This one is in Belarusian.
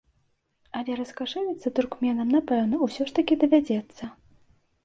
Але раскашэліцца туркменам, напэўна, усё ж такі давядзецца.